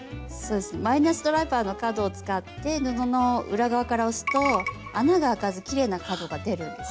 マイナスドライバーの角を使って布の裏側から押すと穴が開かずきれいな角が出るんです。